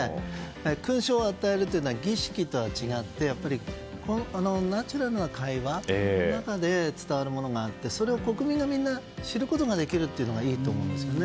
勲章を与えるというのは儀式とは違ってナチュラルな会話の中で伝わるものがあってそれを国民のみんなが知ることができるというのがいいと思うんですよね。